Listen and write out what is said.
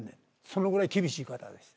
そのぐらい厳しい方です。